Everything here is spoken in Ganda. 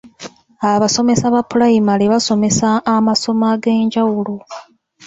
Abasomesa ba pulayimale basomesa amasomo ag'enjawulo.